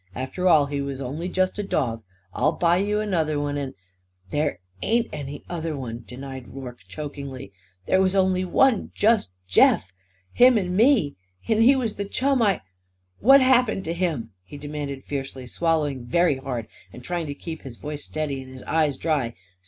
After all, he was only just a dog. I'll buy you another one and " "There ain't any other one!" denied Rorke chokingly. "There was only just Jeff! Him and me. And he was the chum I What happened to him?" he demanded fiercely, swallowing very hard and trying to keep his voice steady and his eyes dry.